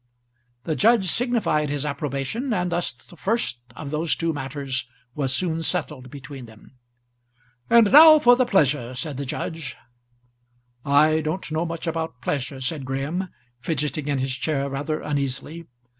The judge signified his approbation, and thus the first of those two matters was soon settled between them. "And now for the pleasure," said the judge. "I don't know much about pleasure," said Graham, fidgeting in his chair, rather uneasily.